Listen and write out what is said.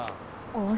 あれ？